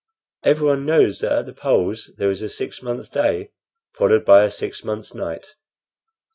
Everyone knows that at the poles there is a six months' day, followed by a six months' night."